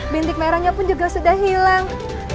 bintik merahnya pun juga sudah hilang